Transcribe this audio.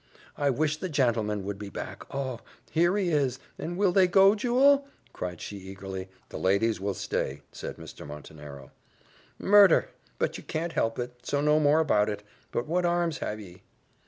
I wish the jantleman would be back Oh! here he is and will they go, jewel?" cried she, eagerly. "The ladies will stay," said Mr. Montenero. "Murder! but you can't help it so no more about it but what arms have ye?"